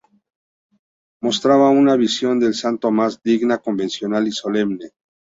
Mostraba una visión del santo más digna, convencional y solemne.